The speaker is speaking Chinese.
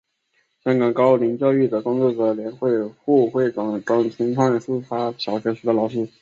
香港高龄教育工作者联会副会长张钦灿是他小学时的老师。